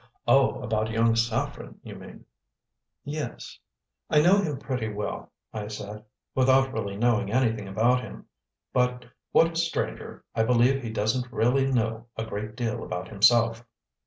"Oh, about young Saffren, you mean?" "Yes." "I know him pretty well," I said, "without really knowing anything about him; but what is stranger, I believe he doesn't really know a great deal about himself.